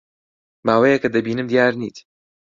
ماوەیەکە دەبینم دیار نیت.